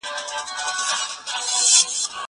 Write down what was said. زه به اوږده موده ځواب ليکلی وم.